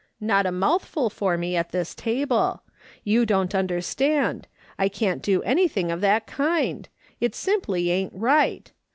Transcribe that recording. " Not a mouthful for me at this table. You don't understand. I can't do anything of that kind ; it simply ain't right.